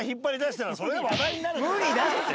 無理だって。